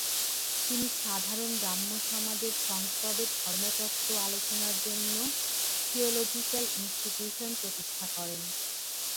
তিনি সাধারণ ব্রাহ্মসমাজের সংস্রবে ধর্মতত্ত্ব আলোচনার জন্য থিওলজিক্যাল ইনস্টিটিউশন প্রতিষ্ঠা করেন।